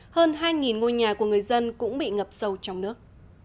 hơn hai ngôi nhà của người dân cũng bị ngập sâu trong nước